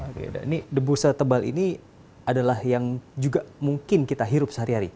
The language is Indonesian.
oke dan ini debu setebal ini adalah yang juga mungkin kita hirupin